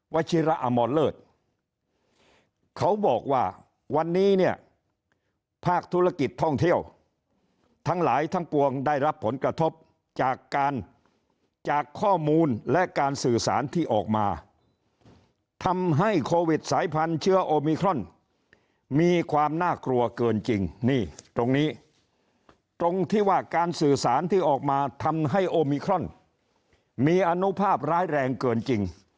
ชิระอมรเลิศเขาบอกว่าวันนี้เนี่ยภาคธุรกิจท่องเที่ยวทั้งหลายทั้งปวงได้รับผลกระทบจากการจากข้อมูลและการสื่อสารที่ออกมาทำให้โควิดสายพันธุ์เชื้อโอมิครอนมีความน่ากลัวเกินจริงนี่ตรงนี้ตรงที่ว่าการสื่อสารที่ออกมาทำให้โอมิครอนมีอนุภาพร้ายแรงเกินจริง